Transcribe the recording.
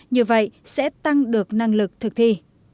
như vậy sẽ tăng được năng lực thực thi